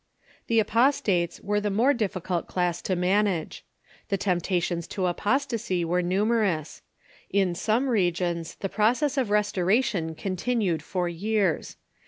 The apostates were the more difficult class to manage. The temptations to apostasy were numerous. In some re gions the process of restoration continued for years.